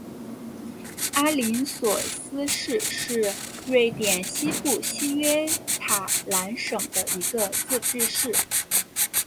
阿灵索斯市是瑞典西部西约塔兰省的一个自治市。